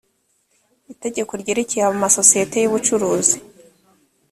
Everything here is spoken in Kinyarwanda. itegeko ryerekeye amasosiyete y ubucuruzi